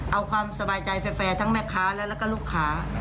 เอาความสบายใจแฟร์ทั้งแม่ค้าและแล้วก็ลูกค้า